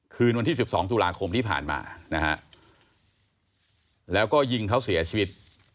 คืนวันที่๑๒ตุลาคมที่ผ่านมานะฮะแล้วก็ยิงเขาเสียชีวิต